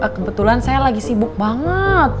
kebetulan saya lagi sibuk banget